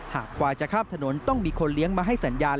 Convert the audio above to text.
กว่าจะข้ามถนนต้องมีคนเลี้ยงมาให้สัญญาณ